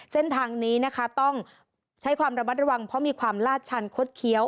เส้นทางนี้นะคะต้องใช้ความระมัดระวังเพราะมีความลาดชันคดเคี้ยว